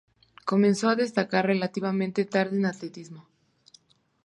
Comenzó a destacar relativamente tarde en el atletismo.